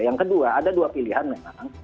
yang kedua ada dua pilihan memang